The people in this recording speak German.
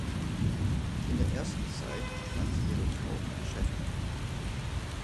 In der ersten Zeit fanden sie jedoch kaum Beschäftigung.